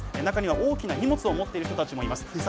中には大きなにもつをもっている人たちもいます。